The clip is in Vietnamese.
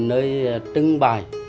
nơi trưng bày